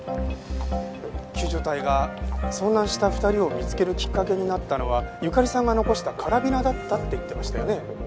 救助隊が遭難した２人を見つけるきっかけになったのはゆかりさんが残したカラビナだったって言ってましたよね？